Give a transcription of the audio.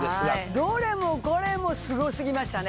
どれもこれもスゴすぎましたね。